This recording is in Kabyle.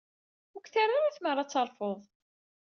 Ur k-terri ara tmara ad terfuḍ.